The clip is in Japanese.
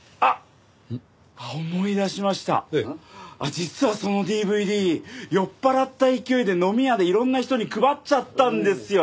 実はそのＤＶＤ酔っ払った勢いで飲み屋でいろんな人に配っちゃったんですよ。